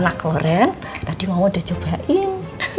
enak lho ren tadi mama udah cobain